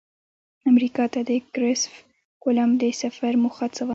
امریکا ته د کرسف کولمب د سفر موخه څه وه؟